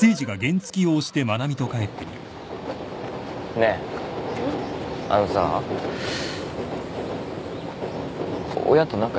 ねえあのさ親と仲いい？